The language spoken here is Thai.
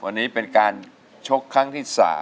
วันนี้เป็นการชกครั้งที่๓